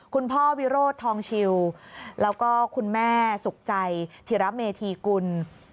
คุณพ่อวิโรธทองชิวแล้วก็คุณแม่สุขใจธิระเมธีกุล